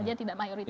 dia tidak mayoritas